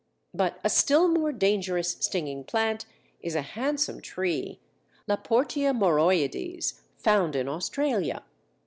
But a still more dangerous stinging plant is a handsome tree (Laportea moroides) found in Australia.